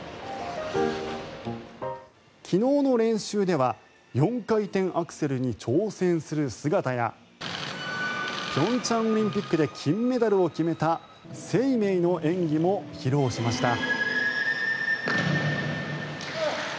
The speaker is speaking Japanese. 昨日の練習では４回転アクセルに挑戦する姿や平昌オリンピックで金メダルを決めた「ＳＥＩＭＥＩ」の演技も披露しました。